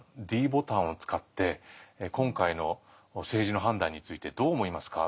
ｄボタンを使って今回の政治の判断についてどう思いますか？